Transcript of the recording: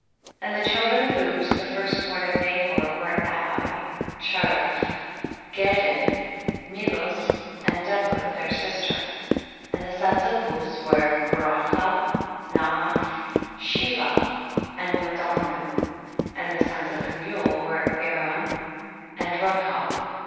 20. And the children of Uz the first born of Nahor were Abi, Che ref, Gadin, Mclus, and Deborah their sister. 21. And the sons of Buz were Berachel, Naamalh, Sheva and Ma donu. 22. And the sons of Kemuel were Aram and Rechob.